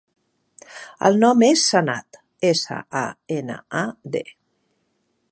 El nom és Sanad: essa, a, ena, a, de.